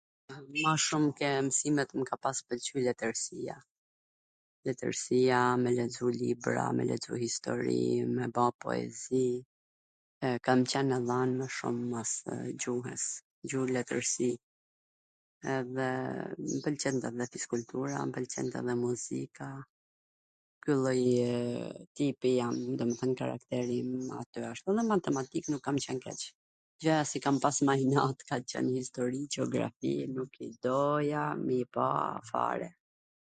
Ma shum ke msimet mw ka pas pwlqy letwrsia, letwrsia me lexu libra, me lexu do histori, me ba poezi, kam qwn edhe e dhanme shum masw gjuhws, gjuh-letwrsi, edhe mw pwlqente dhe fiskultura, mw pwlqente dhe muzika, ky lloj tipi jam, domethwn karakteri im ky wsht, edhe matematika nuk kam qwn keq, gjanat si i kam pas ma inat kan qwn istori, gjografi, nuk i doja me i pa fare,